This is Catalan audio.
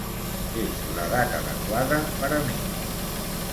És l'edat adequada per a mi.